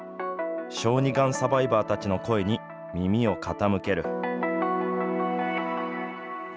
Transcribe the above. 小児がんサバイバーたちの声に耳を傾ける。